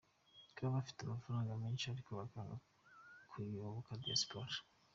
Kuba bafite amafaranga menshi ariko bakanga kuyoboka Diaspora